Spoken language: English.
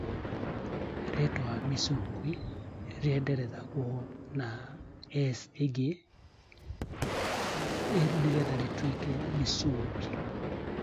Misungwi is often spelled with an extra 's' to make it Missungwi.